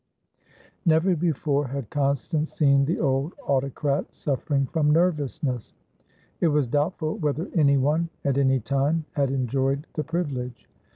Never before had Constance seen the old autocrat suffering from nervousness; it was doubtful whether anyone at any time had enjoyed the privilege.